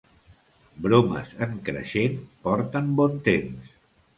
Bromes en creixent porten bon temps.